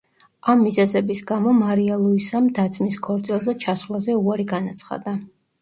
ამ მიზეზების გამო მარია ლუისამ და-ძმის ქორწილზე ჩასვლაზე უარი განაცხადა.